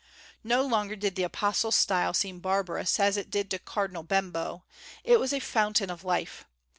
No longer did the apostle's style seem barbarous, as it did to Cardinal Bembo, it was a fountain of life.